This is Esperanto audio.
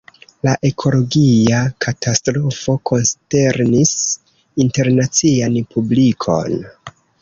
La ekologia katastrofo konsternis internacian publikon.